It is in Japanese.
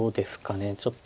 ちょっと。